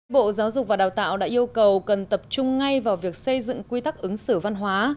bộ giáo dục và đào tạo đã yêu cầu cần tập trung ngay vào việc xây dựng quy tắc ứng xử văn hóa